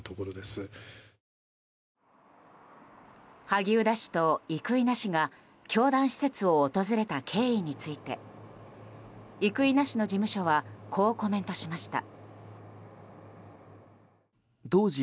萩生田氏と生稲氏が教団施設を訪れた経緯について生稲氏の事務所はこうコメントしました。